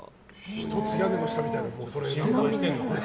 「ひとつ屋根の下」みたいな。